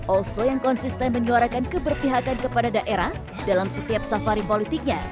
oso yang konsisten menyuarakan keberpihakan kepada daerah dalam setiap safari politiknya